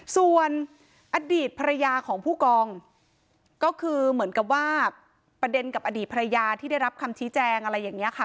ส่วนอดีตภรรยาของผู้กองก็คือเหมือนกับว่าประเด็นกับอดีตภรรยาที่ได้รับคำชี้แจงอะไรอย่างนี้ค่ะ